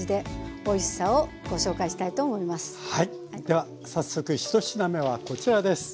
では早速１品目はこちらです。